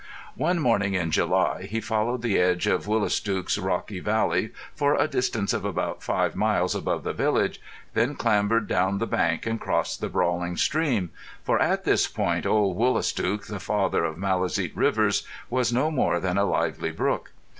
One morning in July he followed the edge of Woolastook's rocky valley for a distance of about five miles above the village, then clambered down the bank and crossed the brawling stream—for at this point old Woolastook, the father of Maliseet rivers, was no more than a lively brook.